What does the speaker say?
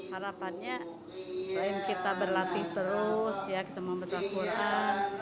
harapannya selain kita berlatih terus ya kita membaca al quran